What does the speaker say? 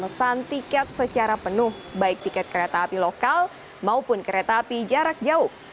memesan tiket secara penuh baik tiket kereta api lokal maupun kereta api jarak jauh